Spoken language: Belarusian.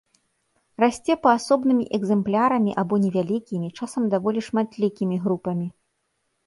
Расце паасобнымі экземплярамі або невялікімі, часам даволі шматлікімі групамі.